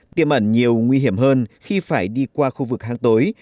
tiêm ẩn nhiều nguy hiểm hơn khi phải đi qua khu vực hang tối